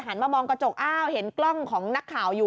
มามองกระจกอ้าวเห็นกล้องของนักข่าวอยู่